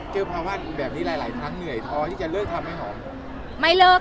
เจอภาวะแบบนี้หลายทั้งเหนื่อยพอที่จะเลิกทำให้หอม